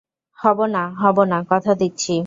হবো না, হবো না, কথা দিচ্ছি।